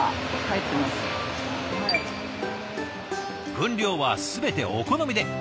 分量は全てお好みで。